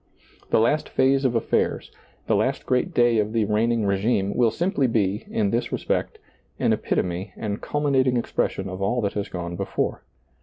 The last phase of aflairs, the last great day of the reigning regime, will simply be, in this respect, an epitome and culminating expression of all that has gone before.